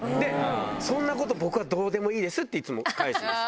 そんなこと僕はどうでもいいですっていつも返してました。